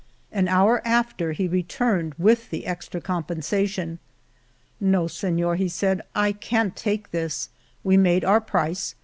An hour after, he returned with the extra compensation. "No, Senor," he said, I can't take this. We made our price.